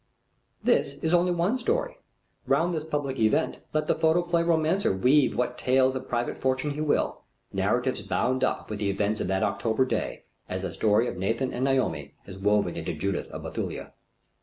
This is only one story. Round this public event let the photoplay romancer weave what tales of private fortune he will, narratives bound up with the events of that October day, as the story of Nathan and Naomi is woven into Judith of Bethulia.